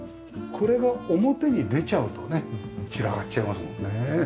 これが表に出ちゃうとね散らかっちゃいますもんね。